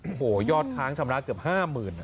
โอ้โหยอดค้างชำระเกือบ๕๐๐๐